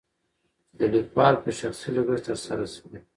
چې دليکوال په شخصي لګښت تر سره شوي.